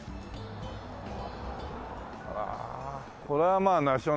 ああこれはまあナショナルのね。